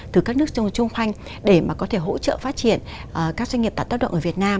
từ các nước chung quanh để mà có thể hỗ trợ phát triển các doanh nghiệp tạo tác động ở việt nam